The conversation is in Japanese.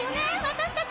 私たち。